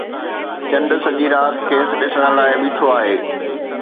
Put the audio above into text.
چنڊ سڄي رات کيس ڏسڻ لاءِ بيٺو آهي